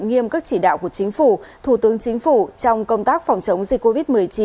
nghiêm các chỉ đạo của chính phủ thủ tướng chính phủ trong công tác phòng chống dịch covid một mươi chín